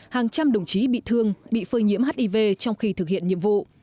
hàng trăm đồng chí bị thương bị phơi nhiễm hiv trong khi thực hiện nhiệm vụ